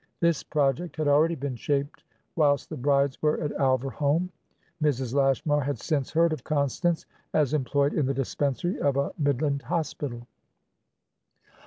This project had already been shaped whilst the Brides were at Alverholme; Mrs. Lashmar had since heard of Constance as employed in the dispensary of a midland hospital.